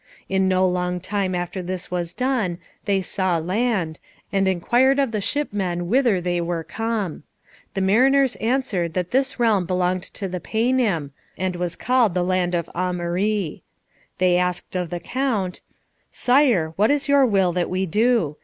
In no long time after this was done they saw land, and inquired of the shipmen whither they were come. The mariners answered that this realm belonged to the Paynim, and was called the Land of Aumarie. They asked of the Count, "Sire, what is your will that we do?